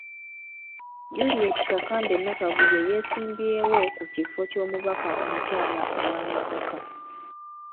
Juliet Kakande Nakabuye yeesimbyewo ku kifo ky'omubaka omukyala owa Masaka.